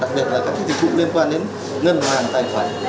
đặc biệt là các dịch vụ liên quan đến ngân hàng tài khoản